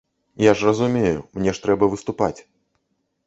Я ж разумею, мне ж трэба выступаць.